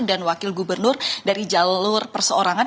dan wakil gubernur dari jalur perseorangan